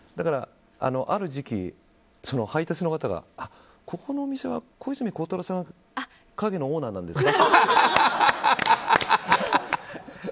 ある時期、配達の方がここのお店は小泉孝太郎さんがオーナーなんですかって。